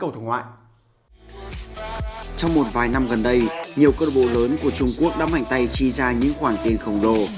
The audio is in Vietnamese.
trong một vài năm gần đây nhiều cơ bộ lớn của trung quốc đã mạnh tay chi ra những khoản tiền khổng lồ